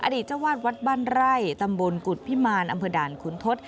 อดีตจังหวัดวัดบ้านไร่ตำบลกุฎพิมารอำเภดาลคุณทศ